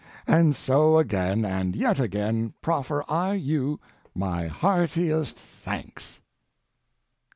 And so again and yet again proffer I you my heartiest thanks.